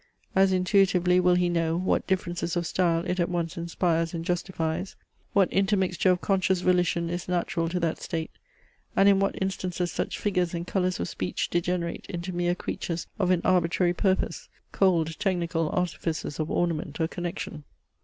As intuitively will he know, what differences of style it at once inspires and justifies; what intermixture of conscious volition is natural to that state; and in what instances such figures and colours of speech degenerate into mere creatures of an arbitrary purpose, cold technical artifices of ornament or connection.